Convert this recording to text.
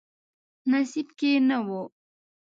نصیب کې نه و.